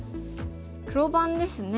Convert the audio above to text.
黒番ですね。